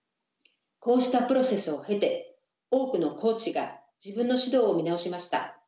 こうしたプロセスを経て多くのコーチが自分の指導を見直しました。